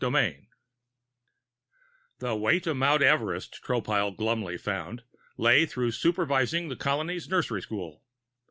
VII The way to Mount Everest, Tropile glumly found, lay through supervising the colony's nursery school.